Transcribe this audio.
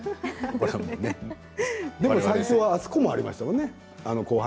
最初はあそこもありましたよね